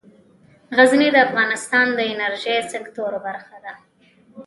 غزني د افغانستان د انرژۍ سکتور برخه ده.